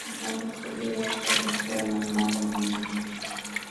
Upande wa kulia kulikuwa na mlango mwingine ulioandikwa ikimaanisha kuwa chumba cha mafaili